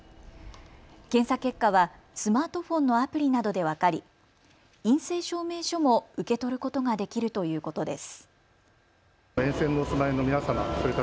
検査結果はスマートフォンのアプリなどで分かり陰性証明書も受け取ることができるということです。